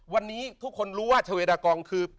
วันนี้ทุกคนรู้ว่าชาเวดากองคือ